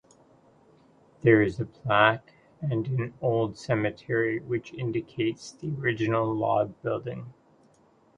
There is a plaque and an old cemetery which indicates the original log building.